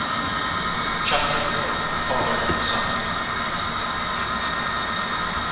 Chapter IV. Father and Son.